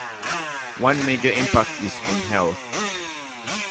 One major impact is on health.